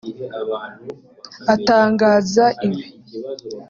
Atangaza ibi